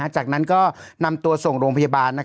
จากนั้นก็นำตัวส่งโรงพยาบาล